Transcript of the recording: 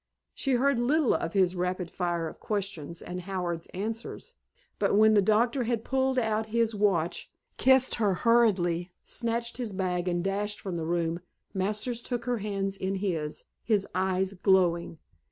She heard little of his rapid fire of questions and Howard's answers; but when the doctor had pulled out his watch, kissed her hurriedly, snatched his bag and dashed from the room, Masters took her hands in his, his eyes glowing.